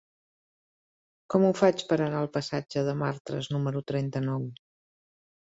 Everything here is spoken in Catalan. Com ho faig per anar al passatge de Martras número trenta-nou?